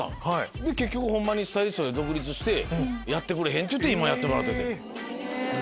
結局ホンマにスタイリストで独立してやってくれへん？って言って今やってもらっててん。